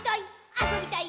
あそびたい！」